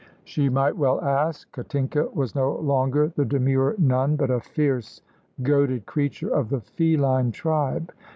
She might well ask. Katinka was no longer the demure nun, but a fierce, goaded creature of the feline tribe.